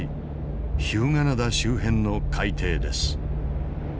日向灘周辺の海底です。